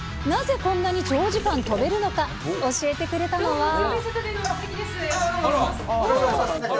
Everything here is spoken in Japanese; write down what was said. なぜこんなに長時間飛べるのか、教えてくれたのは。